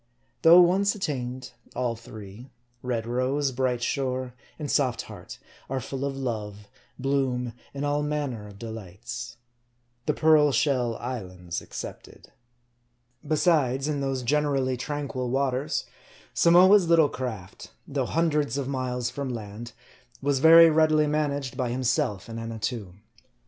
Though once attained, all three red rose, bright shore, and soft heart are full of love, bloom, and all manner of de lights. The Pearl SheU islands excepted. Besides, in those generally tranquil waters, Samoa's little craft, though hundreds of miles from land, was very readily managed by himself and Annatoo.